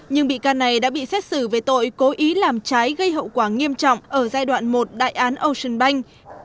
nhưng bị can này đã bị xét xử về tội cố ý làm trái gây hậu quả nghiêm trọng ở giai đoạn một đại án ocean bank